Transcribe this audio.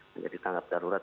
menjadi tangkap darurat